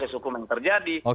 proses hukum yang terjadi